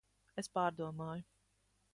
Es pārdomāju.